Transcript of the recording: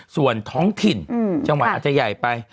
ส่วนท้องถิ่นจังหวัดอาจจะใหญ่ไป